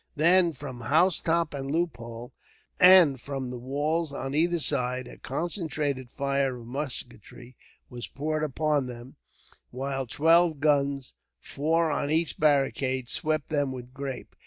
Then, from housetop and loophole, and from the walls on either side, a concentrated fire of musketry was poured upon them, while twelve guns, four on each barricade, swept them with grape.